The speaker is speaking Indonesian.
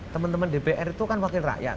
teman teman dpr itu kan wakil rakyat